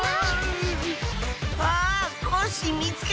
あっコッシーみつけた！